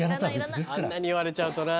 あんなに言われちゃうとな。